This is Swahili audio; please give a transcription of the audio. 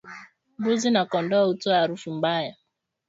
Mbuzi na kondoo hutoa harufu mbaya